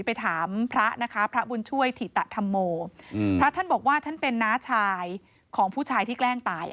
ไปถามพระนะคะพระบุญช่วยถิตธรรมโมพระท่านบอกว่าท่านเป็นน้าชายของผู้ชายที่แกล้งตาย